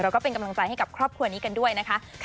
ก็เป็นกำลังใจให้กับครอบครัวนี้กันด้วยนะคะ